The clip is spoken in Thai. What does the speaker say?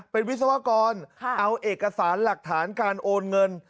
เป็นวิศวกรเอาเอกสารหลักฐานการโอนเงิน